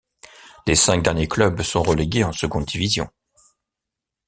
Les cinq derniers clubs sont relégués en seconde division.